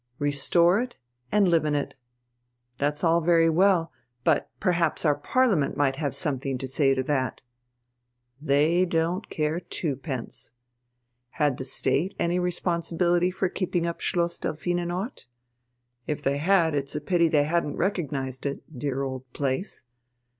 Restore it, and live in it. That's all very well. But perhaps our Parliament might have something to say to that. They don't care twopence. Had the State any responsibility for keeping up Schloss Delphinenort? If they had, it's a pity they hadn't recognized it, dear old place.